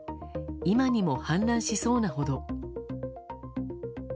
今にも氾濫しそうなほど。